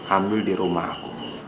ambil di rumah aku